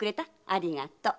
ありがと。